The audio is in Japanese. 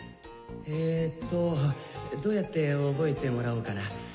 えっとどうやって覚えてもらおうかな。